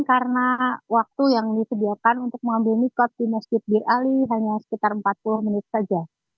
karena waktu yang disediakan untuk mengambil mikot di masjid bir ali hanya sekitar empat puluh menit saja